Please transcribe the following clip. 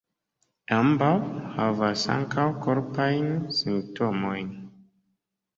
Ambaŭ havas ankaŭ korpajn simptomojn.